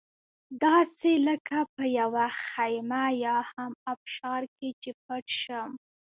داسې لکه په یوه خېمه یا هم ابشار کې چې پټ شم.